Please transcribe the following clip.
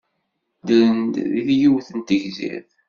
Ddren deg yiwet n tegzirt.